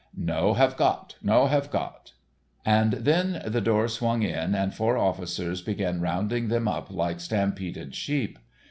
"No have got, no have got." And then the door swung in and four officers began rounding them up like stampeded sheep.